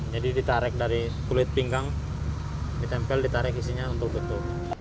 ditarik dari kulit pinggang ditempel ditarik isinya untuk tutup